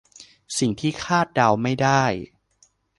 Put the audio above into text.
สิ่งที่คาดเดาไม่ได้